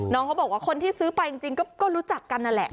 เขาบอกว่าคนที่ซื้อไปจริงก็รู้จักกันนั่นแหละ